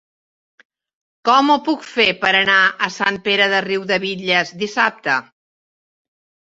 Com ho puc fer per anar a Sant Pere de Riudebitlles dissabte?